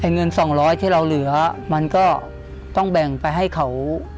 เงิน๒๐๐ที่เราเหลือมันก็ต้องแบ่งไปให้เขา